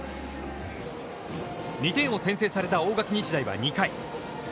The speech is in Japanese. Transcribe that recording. ２点を先制された大垣日大は、２回。